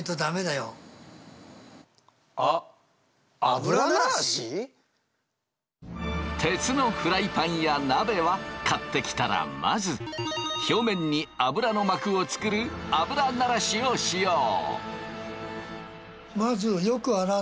それはね鉄のフライパンや鍋は買ってきたらまず表面に油の膜を作る油ならしをしよう。